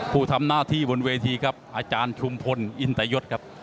ผู้ทำหน้าที่บนเวทีครับอาจารย์ชุมพลอินตยศครับ